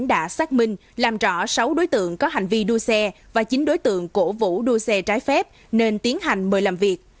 đã xác minh làm rõ sáu đối tượng có hành vi đua xe và chín đối tượng cổ vũ đua xe trái phép nên tiến hành mời làm việc